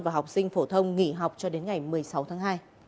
và học sinh phổ thông nghỉ học cho đến ngày một mươi sáu tháng hai